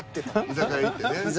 居酒屋行ってね。